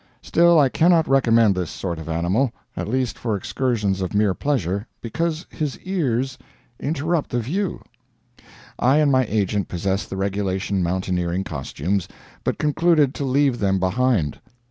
Still, I cannot recommend this sort of animal at least for excursions of mere pleasure because his ears interrupt the view. I and my agent possessed the regulation mountaineering costumes, but concluded to leave them behind.